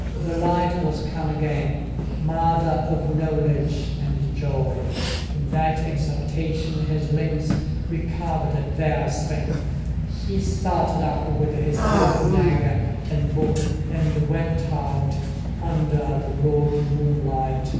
The light was come again, mother of knowledge and joy! In that exultation his limbs recovered their strength: he started up with his broken dagger and book, and went out under the broad moonlight.